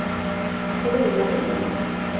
Hello, lucky?